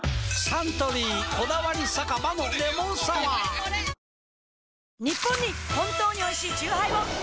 サントリー「こだわり酒場のレモンサワー」ニッポンに本当においしいチューハイを！